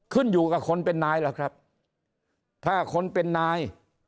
ขึ้นอยู่กับคนเป็นนายล่ะครับถ้าคนเป็นนาย